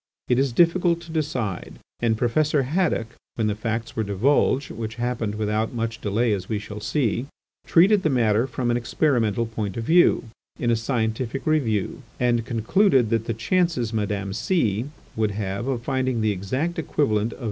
It is difficult to decide; and Professor Haddock, when the facts were divulged (which happened without much delay as we shall see), treated the matter from an experimental point of view, in a scientific review, and concluded that the chances Madame C— would have of finding the exact equivalent of M.